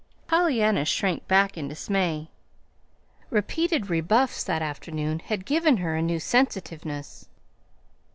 Pollyanna shrank back in dismay. Repeated rebuffs that afternoon had given her a new sensitiveness.